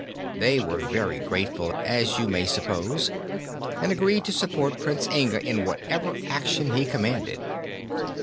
They were very grateful, as you may suppose, and agreed to support Prince Inga in whatever action he commanded.